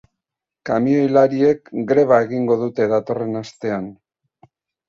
Kamioilariek greba egingo dute datorren astean.